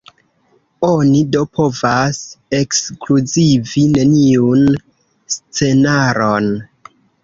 Oni do povas ekskluzivi neniun scenaron.